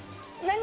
何？